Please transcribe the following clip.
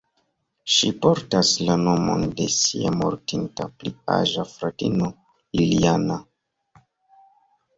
Ŝi portas la nomon de sia mortinta pli aĝa fratino Liljana.